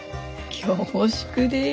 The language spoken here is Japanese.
恐縮です。